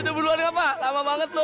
udah buruan apa lama banget lo